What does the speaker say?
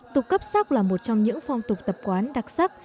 tục cấp sắc là một trong những phong tục tập quán đặc sắc